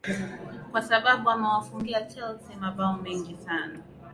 kwa sababu amewafungia chelsea mabao mengi sana